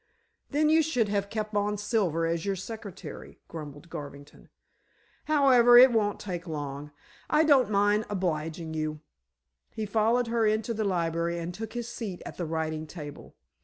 "Then you should have kept on Silver as your secretary," grumbled Garvington. "However, if it won't take long, I don't mind obliging you." He followed her into the library, and took his seat at the writing table.